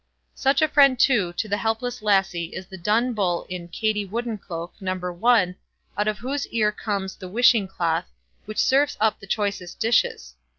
Such a friend, too, to the helpless lassie is the Dun Bull in "Katie Woodencloak", No. 1, out of whose ear comes the "Wishing Cloth", which serves up the choicest dishes.